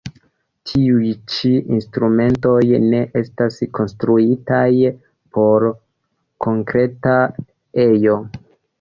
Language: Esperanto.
Tiuj ĉi instrumentoj ne estas konstruitaj por konkreta ejo.